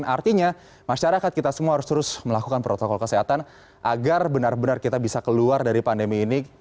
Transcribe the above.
artinya masyarakat kita semua harus terus melakukan protokol kesehatan agar benar benar kita bisa keluar dari pandemi ini